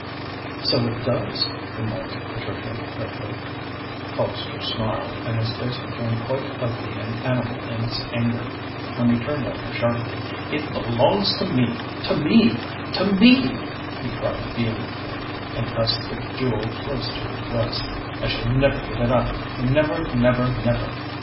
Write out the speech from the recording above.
"So it does," remarked Patricia quickly. Colpster snarled, and his face became quite ugly and animal in its anger, when he turned on her sharply. "It belongs to me! to me! to me!" he cried vehemently, and pressed the Jewel close to his breast. "I shall never give it up; never, never, never.